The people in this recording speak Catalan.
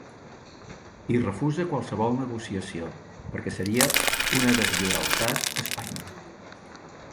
I refusa qualsevol negociació, perquè seria una ‘deslleialtat a Espanya’.